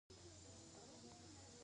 آیا موږ شیدې او مستې واردوو؟